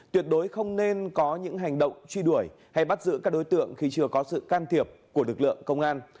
tuyệt đối không nên có những hành động truy đuổi hay bắt giữ các đối tượng khi chưa có sự can thiệp của lực lượng công an